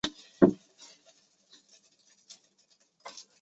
最后约翰八世在位期间还是基本上抵挡住了奥斯曼帝国的入侵。